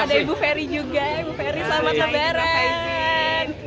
ada ibu ferry juga ibu ferry selamat lebaran